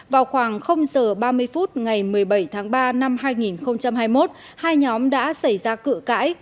vào khoảng giờ ba mươi phút ngày một mươi bảy tháng ba năm hai nghìn hai mươi một hai nhóm đã xảy ra cự cãi